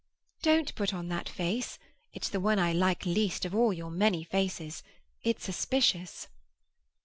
"Don't put on that face! It's the one I like least of all your many faces. It's suspicious."